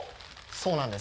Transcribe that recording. そうなんです。